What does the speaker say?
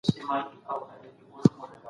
تاریخ پوهانو لیکلي چي مغولو لویه تېروتنه وکړه.